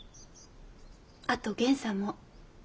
あと源さんも。